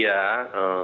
ya mk itu